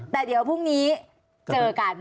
แต่เดี๋ยวพรุ่งนี้เจอกัน